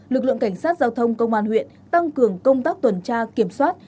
lực lượng cảnh sát giao thông công an huyện tăng cường công tác tuần tra kiểm soát